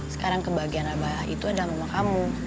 sekarang kebahagiaan abah itu ada sama kamu